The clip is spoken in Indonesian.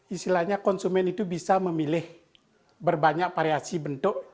istilahnya konsumen itu bisa memilih berbanyak variasi bentuk